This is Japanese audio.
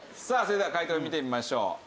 さあそれでは解答見てみましょう。